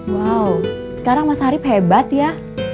wow sekarang mas arief hebat ya